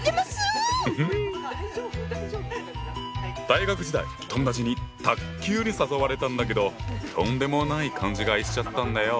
大学時代友達に卓球に誘われたんだけどとんでもない勘違いしちゃったんだよ！